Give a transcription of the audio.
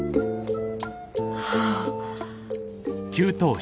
はあ。